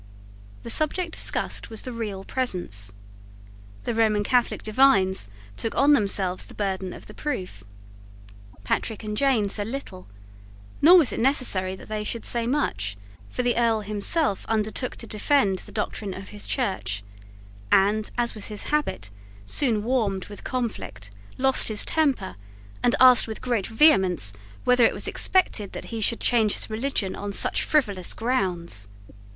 The subject discussed was the real presence. The Roman Catholic divines took on themselves the burden of the proof. Patrick and Jane said little; nor was it necessary that they should say much; for the Earl himself undertook to defend the doctrine of his Church, and, as was his habit, soon warmed with conflict, lost his temper, and asked with great vehemence whether it was expected that he should change his religion on such frivolous grounds.